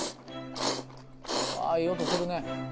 いい音するね。